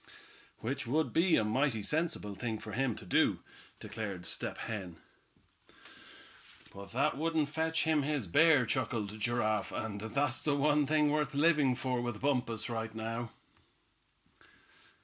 "Which would be a mighty sensible thing for him to do," declared Step Hen. "But that wouldn't fetch him his bear," chuckled Giraffe, "and that's the one thing worth living for with Bumpus right now."